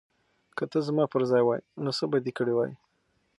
که ته زما پر ځای وای نو څه به دې کړي وای؟